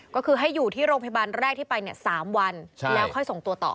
ก็คือให้อยู่ที่โรงพยาบาลแรกที่ไป๓วันแล้วค่อยส่งตัวต่อ